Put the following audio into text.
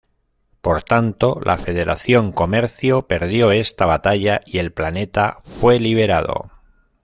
Por tanto, la Federación de Comercio perdió esta batalla y el planeta fue liberado.